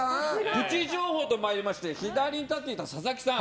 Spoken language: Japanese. プチ情報と参りまして左に立っていた佐々木さん